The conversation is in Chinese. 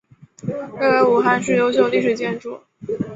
列为武汉市优秀历史建筑。